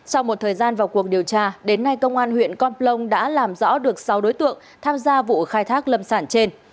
sau một thời gian vào cuộc điều tra đến nay công an huyện con plong đã làm rõ được sáu đối tượng tham gia vụ khai thác lâm sản trên